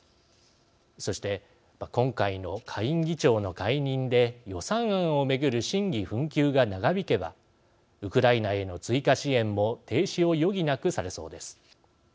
そして、今回の下院議長の解任で予算案を巡る審議紛糾が長引けばウクライナへの追加支援も停止を余儀なくされそうです。